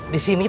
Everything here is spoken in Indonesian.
di sini tuh